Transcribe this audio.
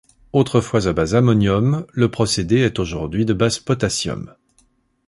Autrefois à base ammonium, le procédé est aujourd’hui de base potassium.